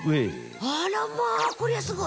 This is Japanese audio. あらまこりゃすごい！